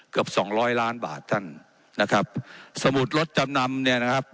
เกือบสองร้อยล้านบาทท่านนะครับสมุดรถจำนำเนี่ยนะครับ